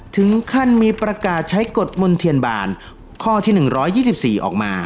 ถึงขั้นมีประกาศใช้กฎมนท์เทียนบานข้อที่หนึ่งร้อยยี่สิบสี่ออกมา